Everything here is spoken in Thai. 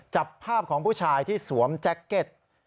จับภาพของผู้ชายที่สวมแจ็คเก็ต